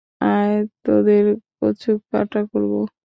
আয়, তোদের কচুকাটা করব!